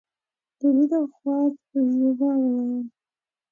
بوډۍ د خواست په ژبه وويل: